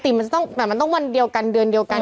ปกติมันจะต้องแบบมันต้องวันเดียวกันเดือนเดียวกัน